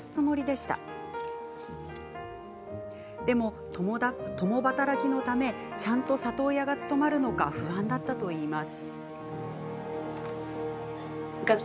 しかし共働きのためちゃんと里親が務まるのか不安だったといいます。